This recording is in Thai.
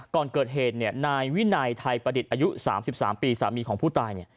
ก่อนเกิดเหตุนายวินัยไทยประดิษฐ์อายุ๓๓ปีสามีของผู้ตาย